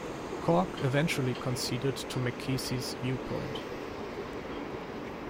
Cork eventually conceded to Mackesy's viewpoint.